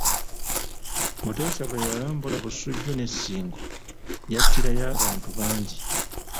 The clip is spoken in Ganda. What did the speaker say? Mutesa bwe yalambula Busujju ne Ssingo, yattirayo abantu bangi.